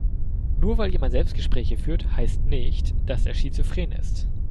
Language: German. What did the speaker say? Nur weil jemand Selbstgespräche führt, heißt nicht, dass er schizophren ist.